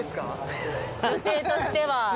予定としては。